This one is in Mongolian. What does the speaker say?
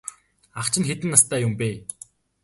Ах чинь хэдэн настай юм бэ?